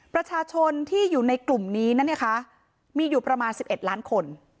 ประชาชนที่อยู่ในกลุ่มนี้นะคะมีอยู่ประมาณ๑๑ล้านคน